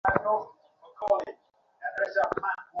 স্থূল প্রকাশ যখন শুরু হয়, তখনও বিশ্ব ঈশ্বরের দেহরূপেই থাকে।